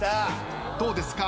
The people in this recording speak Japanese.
どうですか？